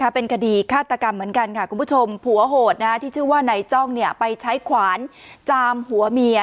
เป็นคดีฆาตกรรมเหมือนกันค่ะคุณผู้ชมผัวโหดที่ชื่อว่านายจ้องไปใช้ขวานจามหัวเมีย